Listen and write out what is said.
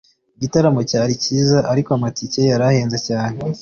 igitaramo cyari cyiza, ariko amatike yari ahenze cyane